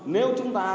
nếu chúng ta